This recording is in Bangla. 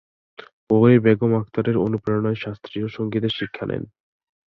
পরে বেগম আখতারের অনুপ্রেরণায় শাস্ত্রীয় সঙ্গীতের শিক্ষা নেন।